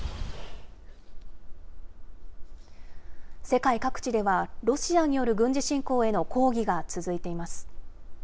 世界各地では、ロシアによる軍事侵攻への抗議が続いています。